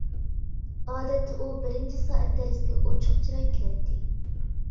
ئادەتتە ئۇ بىرىنچى سائەت دەرسكە ئوچۇق چىراي كىرەتتى.